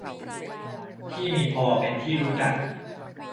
ที่มีพอเป็นที่รู้จัก